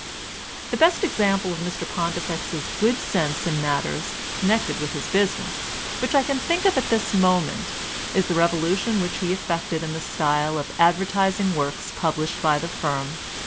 The best example of Mr Pontifex's good sense in matters connected with his business which I can think of at this moment is the revolution which he effected in the style of advertising works published by the firm.